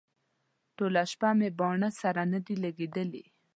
ټوله شپه مې باڼه سره نه دي لګېدلي.